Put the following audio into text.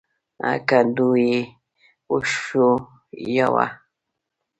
کندو يې وښوياوه.